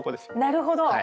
なるほど！